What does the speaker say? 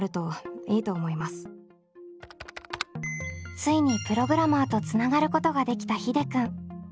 ついにプログラマーとつながることができたひでくん。